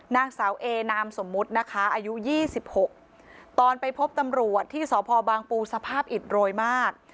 นางสาวเอนามสมมุตินะคะอายุ๒๖ตอนไปพบตำรวจที่สพบางปูสภาพอิดโรยมาก